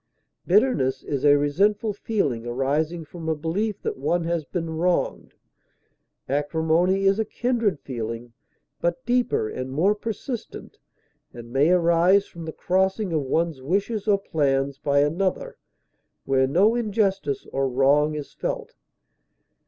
Bitterness is a resentful feeling arising from a belief that one has been wronged; acrimony is a kindred feeling, but deeper and more persistent, and may arise from the crossing of one's wishes or plans by another, where no injustice or wrong is felt.